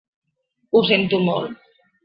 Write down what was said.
Ho sento molt.